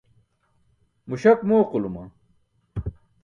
Muśak mooquluma.